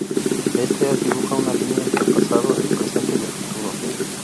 Este haz dibuja una línea entre pasado, el presente y el futuro.